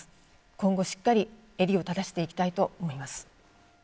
今後しっかり襟を正していきたいと思います。